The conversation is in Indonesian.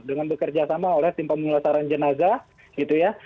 dengan bekerja sama oleh tim pemulasaran jenazah gitu ya